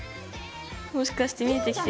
もしかして見えてきてる？